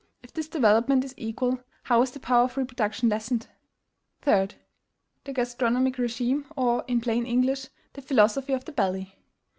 If this development is equal, how is the power of reproduction lessened? 3. THE GASTRONOMIC REGIME; or, in plain English, the philosophy of the belly.